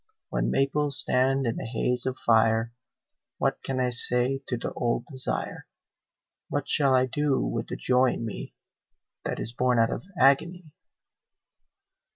When maples stand in a haze of fire What can I say to the old desire, What shall I do with the joy in me That is born out of agony?